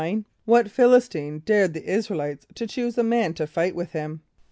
= What Ph[)i] l[)i]s t[)i]ne dared the [)I][s+]´ra el [=i]tes to choose a man to fight with him?